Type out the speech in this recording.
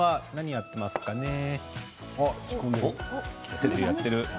やってる、やってる。